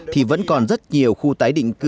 thì vẫn còn rất nhiều khu tái định cư